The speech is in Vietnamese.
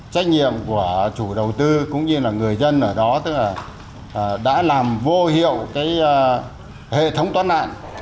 trách nhiệm của chủ đầu tư cũng như là người dân ở đó đã làm vô hiệu hệ thống toán nạn